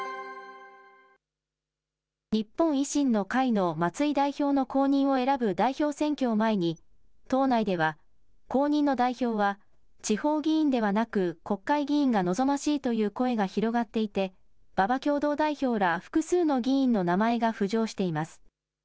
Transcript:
日本維新の会の松井代表の後任を選ぶ代表選挙を前に、党内では、後任の代表は地方議員ではなく国会議員が望ましいという声が広がっていて、馬場共同代表ら複数の議員の名前が浮上しています。